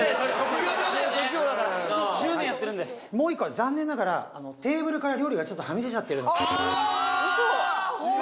もう職業だからもう一個は残念ながらテーブルから料理がちょっとはみ出ちゃってるわっ！